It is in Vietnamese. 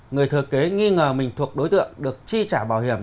người thừa kế nghi ngờ mình thuộc đối tượng được chi trả bảo hiểm